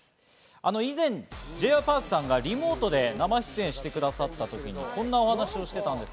以前、Ｊ．Ｙ．Ｐａｒｋさんがリモートで生出演してくださった時にこんなお話をしてたんです。